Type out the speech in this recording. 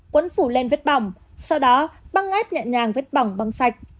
quấn phủ lên vết bỏng sau đó băng ngét nhẹ nhàng vết bỏng băng sạch